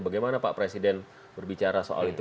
bagaimana pak presiden berbicara soal itu